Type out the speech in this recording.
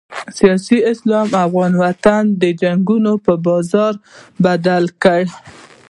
سیاسي اسلام افغان وطن د جنګونو په بازار بدل کړی.